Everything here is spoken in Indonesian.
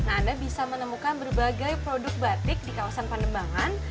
anda bisa menemukan berbagai produk batik di kawasan pandemangan